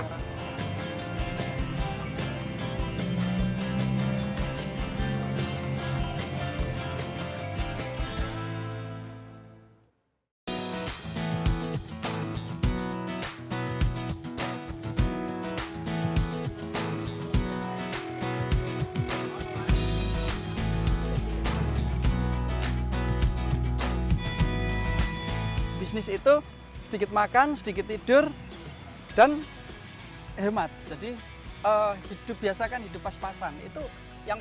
hai bisnis itu sedikit makan sedikit tidur dan hemat jadi hidup biasakan hidup pas pasan itu yang